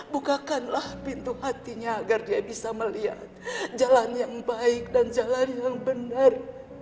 bukakanlah pintu hatinya agar dia bisa melihat jalan yang baik dan jalan yang benar